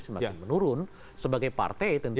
semakin menurun sebagai partai tentu